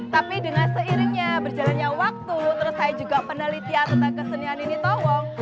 tapi dengan seiringnya berjalannya waktu terus saya juga penelitian tentang kesenian ini tolong